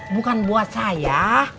bukan buat saya